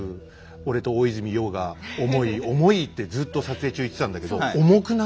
俺と大泉洋が重い重いってずっと撮影中言ってたんだけど重くない？